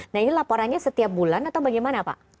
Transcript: nah ini laporannya setiap bulan atau bagaimana pak